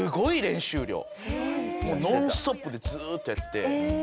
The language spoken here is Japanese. もうノンストップでずーっとやって。